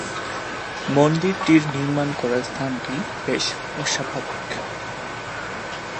মন্দিরটির নির্মাণ করার স্থানটি বেশ অস্বাভাবিক।